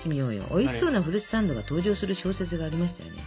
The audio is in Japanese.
おいしそうなフルーツサンドが登場する小説がありましたよね。